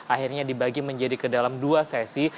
akhirnya dibagi menjadi kedalam dua sesi